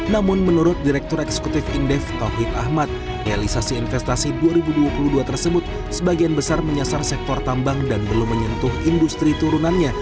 namun menurut direktur eksekutif indef tauhid ahmad realisasi investasi dua ribu dua puluh dua tersebut sebagian besar menyasar sektor tambang dan belum menyentuh industri turunannya